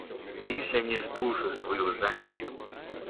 Більше ніж душу свою жалію!